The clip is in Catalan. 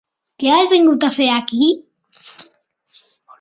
Què has vingut a fer aquí?